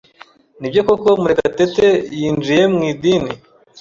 Nibyo koko Murekatete yinjiye mu idini?